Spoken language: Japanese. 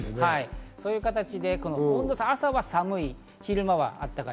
そういう形で朝は寒い、昼間はあったかい。